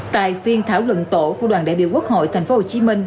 tại phiên thảo luận tổ của đoàn đại biểu quốc hội thành phố hồ chí minh